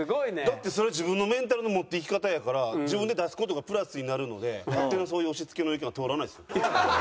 だってそれは自分のメンタルの持っていき方やから自分で出す事がプラスになるので勝手なそういう押しつけの意見は通らないですよ。